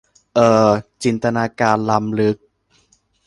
เอ่อ จินตนาการล้ำลึก